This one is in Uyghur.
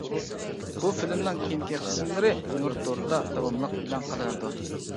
بۇ فىلىمنىڭ كېيىنكى قىسىملىرى نۇر تورىدا داۋاملىق ئېلان قىلىنىدۇ.